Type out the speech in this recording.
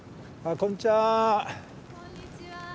こんにちは。